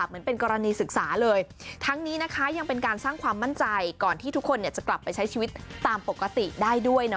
เหมือนเป็นกรณีศึกษาเลยทั้งนี้นะคะยังเป็นการสร้างความมั่นใจก่อนที่ทุกคนเนี่ยจะกลับไปใช้ชีวิตตามปกติได้ด้วย